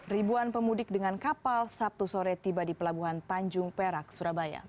ribuan pemudik dengan kapal sabtu sore tiba di pelabuhan tanjung perak surabaya